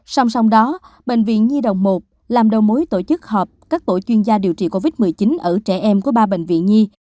song song đó bệnh viện nhi đồng một làm đầu mối tổ chức họp các tổ chuyên gia điều trị covid một mươi chín ở trẻ em của ba bệnh viện nhi